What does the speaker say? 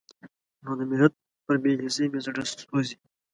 نو د ملت پر بې حسۍ مې زړه سوزي.